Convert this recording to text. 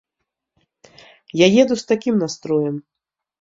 Я еду з такім настроем.